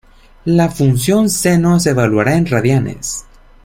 La función seno se evaluará en radianes.